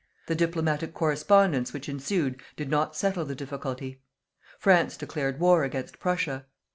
The diplomatic correspondence which ensued did not settle the difficulty. France declared war against Prussia.